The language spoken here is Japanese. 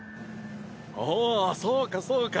おおそうかそうか。